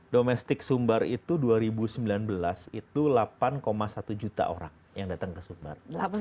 domestik sumbar itu dua ribu sembilan belas itu delapan satu juta orang yang datang ke sumbar